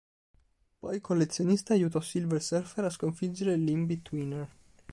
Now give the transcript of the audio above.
Poi Collezionista aiutò Silver Surfer a sconfiggere l'In-Betweener.